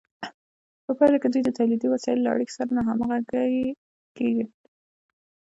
په پایله کې دوی د تولیدي وسایلو له اړیکو سره ناهمغږې کیږي.